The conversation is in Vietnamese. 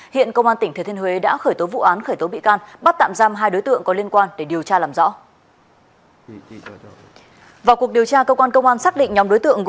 hiện công an tỉnh thừa thiên huế đã khởi tố vụ án khởi tố bị can bắt tạm giam hai đối tượng có liên quan để điều tra làm rõ